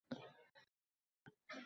Tushimga kirdilar marvarid gullar.